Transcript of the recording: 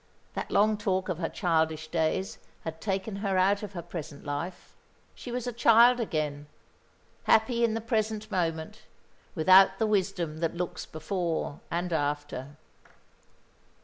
That long talk of her childish days had taken her out of her present life. She was a child again, happy in the present moment, without the wisdom that looks before and after.